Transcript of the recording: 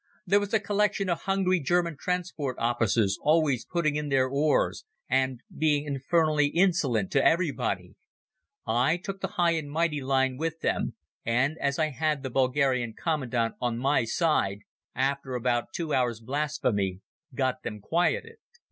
There was a collection of hungry German transport officers always putting in their oars, and being infernally insolent to everybody. I took the high and mighty line with them; and, as I had the Bulgarian commandant on my side, after about two hours' blasphemy got them quieted.